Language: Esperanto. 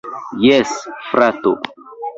Jes, frato.